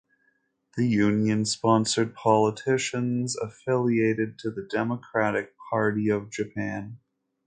The union sponsored politicians affiliated to the Democratic Party of Japan.